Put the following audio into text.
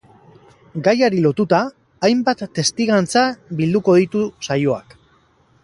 Gaiari lotuta, hainbat testigantza bilduko ditu saioak.